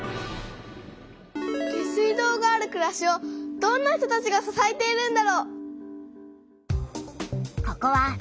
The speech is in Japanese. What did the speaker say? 下水道があるくらしをどんな人たちが支えているんだろう？